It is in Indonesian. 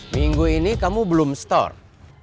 minggu ini kamu belum store